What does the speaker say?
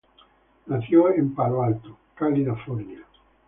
Nació en Palo Alto, California.